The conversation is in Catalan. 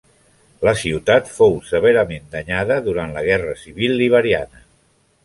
La ciutat fou severament danyada durant la guerra civil liberiana.